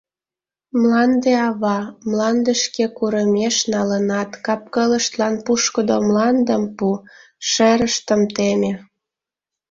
Мланде Ава, мландышке курымеш налынат, кап-кылыштлан пушкыдо мландым пу, шерыштым теме...